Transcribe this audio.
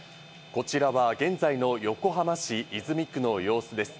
こちらは現在の横浜市泉区の様子です。